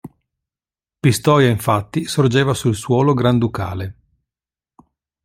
Pistoia infatti sorgeva sul suolo granducale.